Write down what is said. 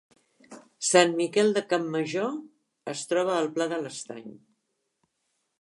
Sant Miquel de Campmajor es troba al Pla de l’Estany